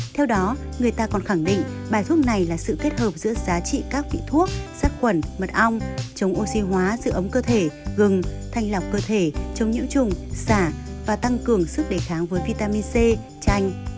theo đó người ta còn khẳng định bài thuốc này là sự kết hợp giữa giá trị các vị thuốc sát khuẩn mật ong chống oxy hóa giữ ấm cơ thể gừng thanh lọc cơ thể chống nhiễm trùng xả và tăng cường sức đề kháng với vitamin c chanh